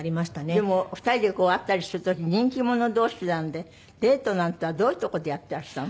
でも２人でこう会ったりする時人気者同士なんでデートなんていうのはどういうとこでやってらしたの？